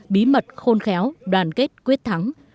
bí mật khôn khéo đoàn kết quyết thắng